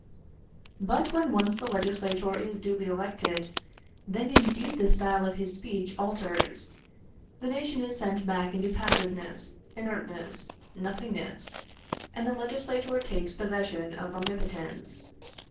But when once the legislator is duly elected, then indeed the style of his speech alters. The nation is sent back into passiveness, inertness, nothingness, and the legislator takes possession of omnipotence.